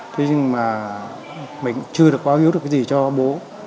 thế nhưng mà mình chưa được bao hiếu được cái gì cho bố